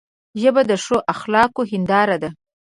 ژبه د ښو اخلاقو هنداره ده